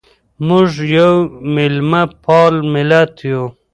موږ یو مېلمه پال ملت یو.